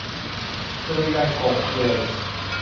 สุริยันต์ กกเปลือย